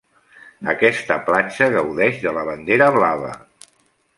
Aquesta platja gaudeix de la bandera blava.